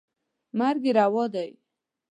مرګ یې روا دی.